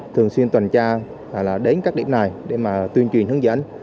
thường xuyên tuần tra là đến các điểm này để mà tuyên truyền hướng dẫn